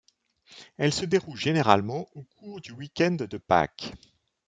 Elle se déroule généralement au cours du week-end de Pâques.